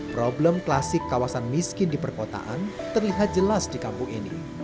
problem klasik kawasan miskin di perkotaan terlihat jelas di kampung ini